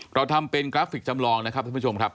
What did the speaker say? เราทำเป็นกราฟิกจำลองนะครับท่านผู้ชมครับ